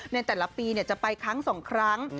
ในแต่ละปีเนี่ยจะไปครั้งสองครั้ง